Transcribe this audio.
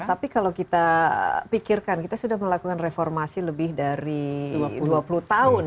tapi kalau kita pikirkan kita sudah melakukan reformasi lebih dari dua puluh tahun